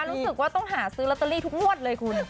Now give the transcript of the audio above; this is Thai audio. รู้สึกว่าต้องหาซื้อลอตเตอรี่ทุกงวดเลยคุณ